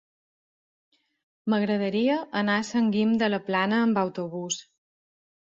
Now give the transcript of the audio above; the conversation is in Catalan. M'agradaria anar a Sant Guim de la Plana amb autobús.